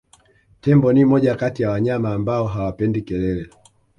Tembo ni moja kati ya wanyama ambao hawapendi kelele